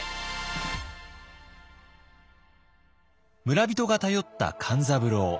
村人が頼った勘三郎。